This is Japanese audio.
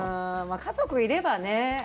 家族いればね。